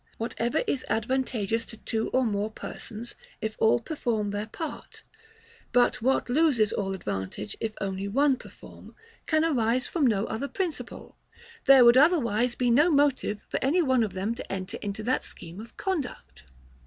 Whatever is advantageous to two or more persons, if all perform their part; but what loses all advantage if only one perform, can arise from no other principle There would otherwise be no motive for any one of them to enter into that scheme of conduct.